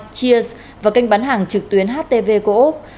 co op cheers và kênh bán hàng trực tuyến htv co op